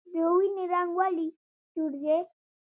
د وینې رنګ ولې سور دی